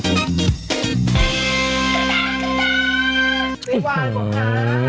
เบรกวานของข้า